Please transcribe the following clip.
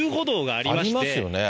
ありますよね。